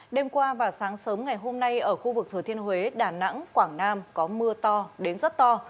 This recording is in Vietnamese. đêm qua và sáng sớm ngày hôm nay ở khu vực thừa thiên huế đà nẵng quảng nam có mưa to đến rất to